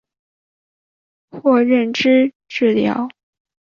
括认知治疗。